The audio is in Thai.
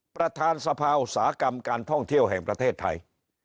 ประธานสภาอุตสาหกรรมการท่องเที่ยวแห่งประเทศไทย